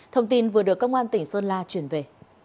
thông tin vừa được công an tỉnh sơn la chuyển về